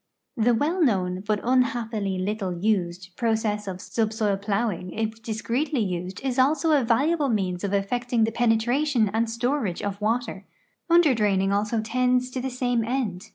The well known, but unhappily little used, ])rocess of subsoil plowing if discreetly used is also a valuable means of effecting the penetration and storage of water; underdraining also tends to the same end.